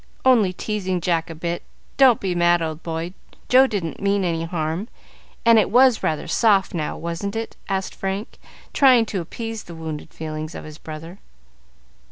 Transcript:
"Only teasing Jack a bit. Don't be mad, old boy, Joe didn't mean any harm, and it was rather soft, now wasn't it?" asked Frank, trying to appease the wounded feelings of his brother.